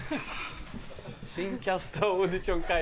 「新キャスターオーディション会場」。